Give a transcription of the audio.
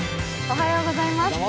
おはようございます。